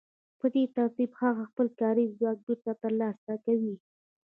په دې ترتیب هغه خپل کاري ځواک بېرته ترلاسه کوي